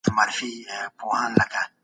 وطن په ټولو ګران دی.